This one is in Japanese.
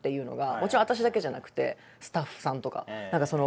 もちろん私だけじゃなくてスタッフさんとか。